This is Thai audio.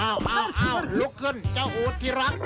อ้าวลุกขึ้นเจ้าโหดที่รัก